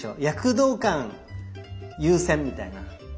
躍動感優先みたいな。